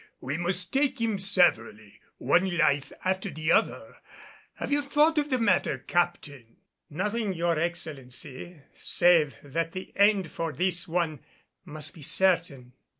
We must take him severally one life after the other. Have you thought of the matter, Captain?" "Nothing, your Excellency, save that the end for this one must be certain."